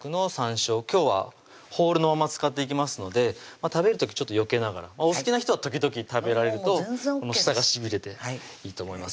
今日はホールのまま使っていきますので食べる時ちょっとよけながらお好きな人は時々食べられると舌がしびれていいと思います